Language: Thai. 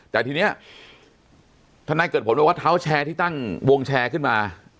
แต่ทีนี้ทนายเกิดผลบอกว่าเท้าแชร์ที่ตั้งวงแชร์ขึ้นมา